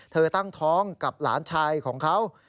ตั้งท้องกับหลานชายของเขา